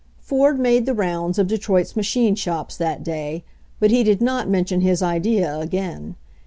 Ford made the rounds of Detroit's machine shops that day, but he did not mention his idea again.